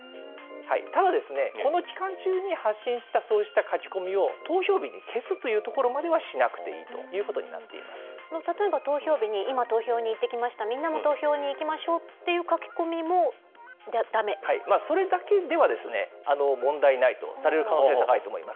ただですね、この期間中に発信した、そうした書き込みを投票日に消すというところまではしなくていい例えば、投票日に、今、投票に行ってきました、みんなも投票に行きましょうっていう書き込みそれだけでは問題ないとされる可能性が高いと思います。